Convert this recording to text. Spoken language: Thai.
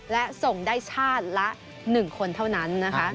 และส่งได้ชาติละ๑คนเท่านั้นนะคะ